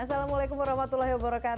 assalamualaikum wr wb